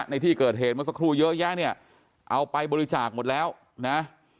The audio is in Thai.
ในที่เกิดเหตุเมื่อสักครู่เยอะแยะเนี่ยเอาไปบริจาคหมดแล้วนะ